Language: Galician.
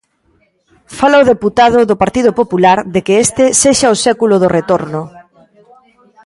Fala o deputado do Partido Popular de que este sexa o século do retorno.